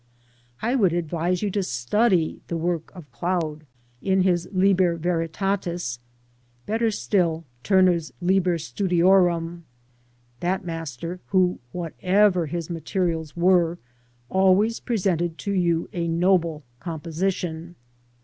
I would advise you to study the work of Claude in his " Liber Veritatis "; better still. Turner's " Liber Studiorum " (that Master who, whatever his materials were, always presented to you a noble composition).